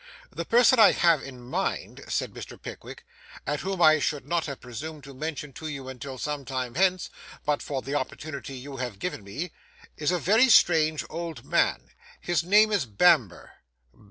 'The person I have in my mind,' said Mr. Pickwick, 'and whom I should not have presumed to mention to you until some time hence, but for the opportunity you have given me, is a very strange old man. His name is Bamber.